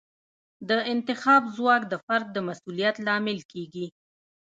د انتخاب ځواک د فرد د مسوولیت لامل کیږي.